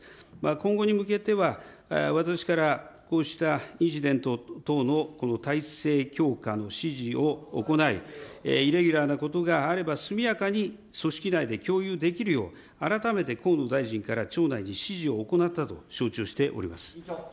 今後に向けては私からこうしたインシデントの体制強化の指示を行い、イレギュラーなことがあれば、速やかに組織内で共有できるよう、改めて河野大臣と省内に指示を行ったと承知をしております。